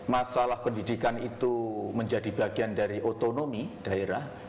masalah pendidikan itu menjadi bagian dari otonomi daerah